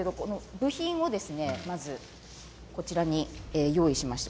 部品をまずこちらに用意しました。